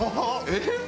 えっ？